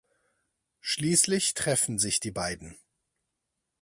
Schließlich treffen sich die beiden.